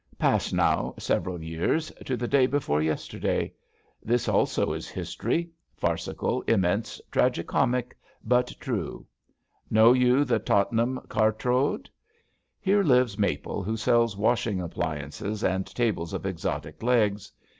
Pass now several years. To the day before yesterday I This also is history — farcical, immense, tragi comic, but true. Kjiow you the Totnam Cortrode! Here lives Maple, who sells washing appliances and tables of exotic legs.